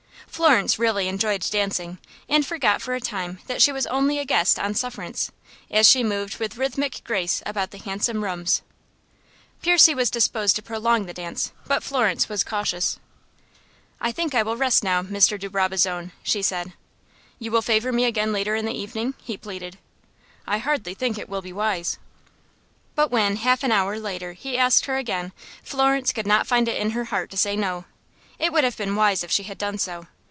Florence really enjoyed dancing, and forgot for a time that she was only a guest on sufferance, as she moved with rhythmic grace about the handsome rooms. Percy was disposed to prolong the dance, but Florence was cautious. "I think I will rest now, Mr. de Brabazon," she said. "You will favor me again later in the evening?" he pleaded. "I hardly think it will be wise." But when, half an hour later, he asked her again, Florence could not find it in her heart to say no. It would have been wise if she had done so.